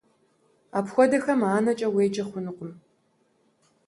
Апхуэдэхэм анэкӀэ уеджэ хъунукъым.